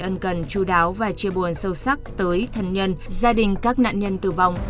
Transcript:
ân cần chú đáo và chia buồn sâu sắc tới thân nhân gia đình các nạn nhân tử vong